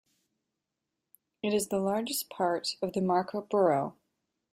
It is the largest part of the Marka borough.